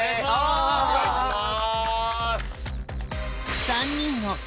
お願いします。